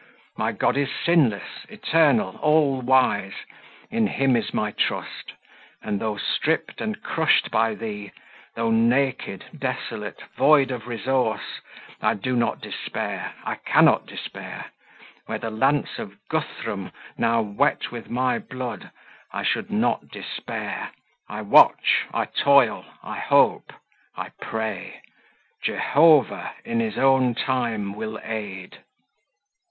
My God is sinless, eternal, all wise in Him is my trust; and though stripped and crushed by thee though naked, desolate, void of resource I do not despair, I cannot despair: were the lance of Guthrum now wet with my blood, I should not despair. I watch, I toil, I hope, I pray; Jehovah, in his own time, will aid."